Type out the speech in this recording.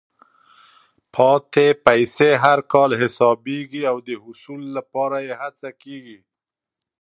پاتې پیسې هر کال حسابېږي او د حصول لپاره یې هڅه کېږي.